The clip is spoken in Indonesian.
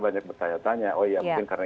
banyak bertanya tanya oh ya mungkin karena